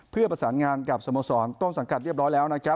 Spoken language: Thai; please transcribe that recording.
เพื่อประสานงานกับสโมสรต้นสังกัดเรียบร้อยแล้ว